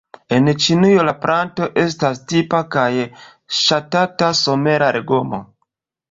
En Ĉinujo la planto estas tipa kaj ŝatata somera legomo.